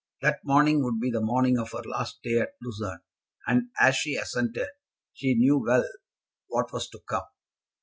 That morning would be the morning of her last day at Lucerne; and as she assented she knew well what was to come.